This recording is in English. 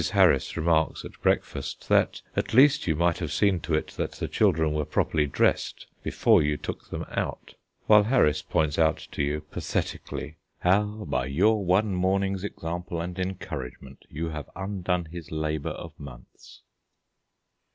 Harris remarks at breakfast that at least you might have seen to it that the children were properly dressed before you took them out; while Harris points out to you, pathetically, how, by your one morning's example and encouragement, you have undone his labour of months.